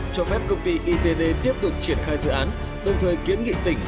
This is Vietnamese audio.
cho phép công ty itd tiếp tục triển khai dự án đồng thời kiến nghị tỉnh